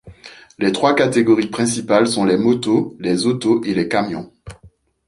Les trois catégories principales sont les motos, les autos et les camions.